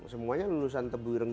semuanya lulusan tebuirengan